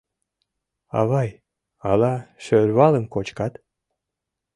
Авай, ала шӧрвалым кочкат?